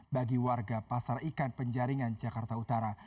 bagi warga pasar ikan penjaringan jakarta utara